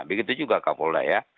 begitu juga kapolri ya